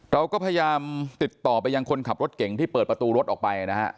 เราก็พยายามติดต่อไปยังคนขับรถเก่งที่เปิดประตูรถออกไปนะฮะ